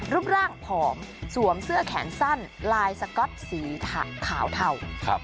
รูปร่างผอมสวมเสื้อแขนสั้นลายสก๊อตสีขาวเทา